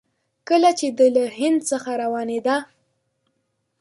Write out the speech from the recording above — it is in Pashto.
کله چې دی له هند څخه روانېده.